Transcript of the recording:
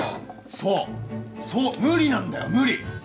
そう無理なんだよ、無理。